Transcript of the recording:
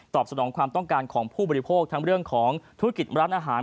สนองความต้องการของผู้บริโภคทั้งเรื่องของธุรกิจร้านอาหาร